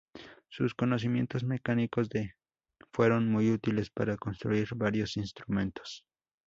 Sus conocimientos mecánicos le fueron muy útiles para construir varios instrumentos.